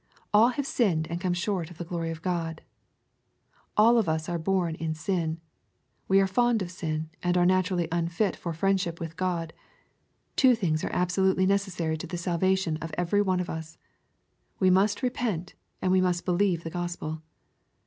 " All have sinned and come short of the glory of God." All of us are born in sin. We are fond of sin, and are naturally unfit for friendship with God. Two things are absolutely necessary to the salvation of every one of us. We must repent, and we must believe the Gospel.